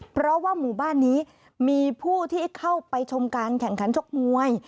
เพราะว่าหมู่บ้านนี้มีผู้ที่เข้าไปชมการแข่งขันชกมวย